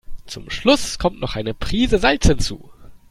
Zum Schluss kommt noch eine Prise Salz hinzu.